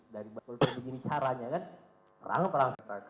dari bagian begini caranya kan rangup rangup